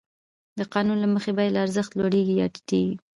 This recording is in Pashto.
د قانون له مخې بیه له ارزښت لوړېږي یا ټیټېږي